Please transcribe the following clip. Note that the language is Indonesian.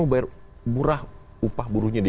bayar murah upah buruhnya di